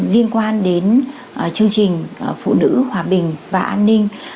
liên quan đến chương trình phụ nữ hòa bình và an ninh